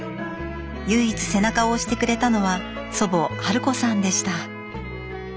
唯一背中を押してくれたのは祖母春子さんでした。